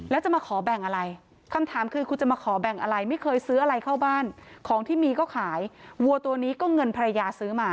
แล้วจะมาขอแบ่งอะไรคำถามคือคุณจะมาขอแบ่งอะไรไม่เคยซื้ออะไรเข้าบ้านของที่มีก็ขายวัวตัวนี้ก็เงินภรรยาซื้อมา